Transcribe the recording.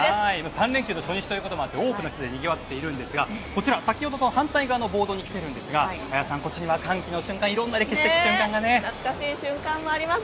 ３連休の初日とあって多くの人手でにぎわっているんですが先ほどと反対側のボードに来ていますが綾さん、こちらには、歓喜の瞬間歴史的瞬間があります。